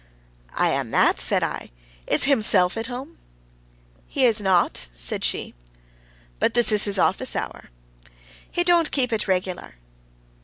"I am that," said I. "Is himself at home?" "He is not," said she. "But this is his office hour." "He don't keep it regular'."